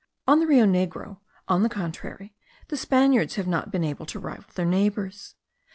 On the Rio Negro, on the contrary, the Spaniards have not been able to rival their neighbours.